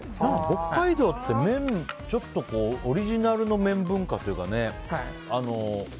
北海道ってオリジナルの麺文化というかね。